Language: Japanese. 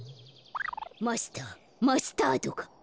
マスターマスタードが。